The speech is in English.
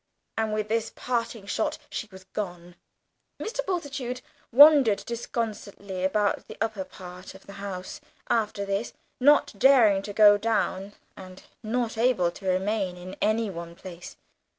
And with this parting shot she was gone. Mr. Bultitude wandered disconsolately about the upper part of the house after this, not daring to go down, and not able to remain in any one place.